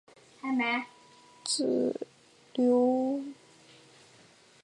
顾颉刚认为的少昊氏加入古史系统自刘歆始。